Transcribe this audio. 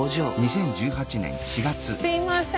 すいません。